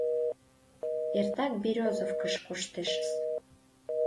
— Эртак Берёзовкыш коштешыс.